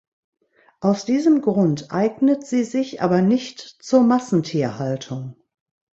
Aus diesem Grund eignet sie sich aber nicht zur Massentierhaltung.